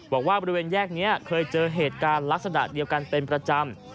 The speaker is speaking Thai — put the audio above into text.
บอกว่าบริเวณแยกนี้เคยเจอเหตุการณ์ลักษณะเดียวกันเป็นประจำ